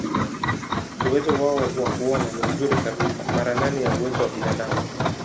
Uwezo wao wa kuona ni mzuri kabisa, mara nane ya uwezo wa binadamu.